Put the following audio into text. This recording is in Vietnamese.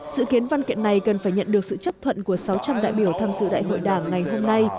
dự kiến văn kiện này cần phải nhận được sự chấp thuận của sáu trăm linh đại biểu tham dự đại hội đảng ngày hôm nay